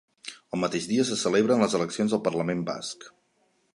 El mateix dia se celebren les eleccions al Parlament Basc.